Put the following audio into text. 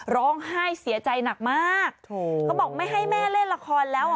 ร้องไห้เสียใจหนักมากถูกเขาบอกไม่ให้แม่เล่นละครแล้วอ่ะ